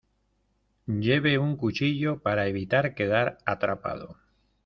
lleve un cuchillo para evitar quedar atrapado.